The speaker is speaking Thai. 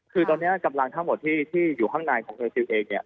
คือตอนนี้กำลังทั้งหมดที่อยู่ข้างในของเฮอร์ซิลเอง